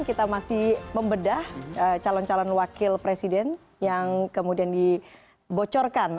kita masih membedah calon calon wakil presiden yang kemudian dibocorkan